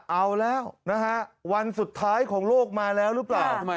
เอาแล้วนะฮะวันสุดท้ายของโลกมาแล้วหรือเปล่า